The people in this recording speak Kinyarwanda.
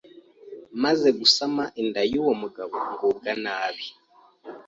maze gusama inda y’uwo mugabo ngubwa nabi